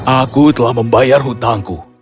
aku telah membayar hutangku